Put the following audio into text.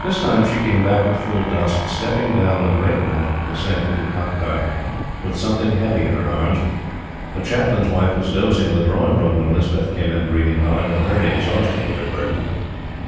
This time she came back at full dusk, stepping down the breakneck descent into Kotgarth with something heavy in her arms. The Chaplain's wife was dozing in the drawing room when Lispeth came in breathing hard and very exhausted with her burden.